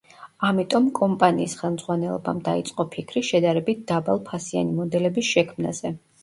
ამიტომ კომპანიის ხელმძღვანელობამ დაიწყო ფიქრი შედარებით დაბალ ფასიანი მოდელების შექმნაზე.